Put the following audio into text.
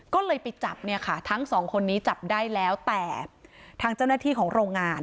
ก็เลยไปจับเนี่ยค่ะทั้งสองคนนี้จับได้แล้วแต่ทางเจ้าหน้าที่ของโรงงาน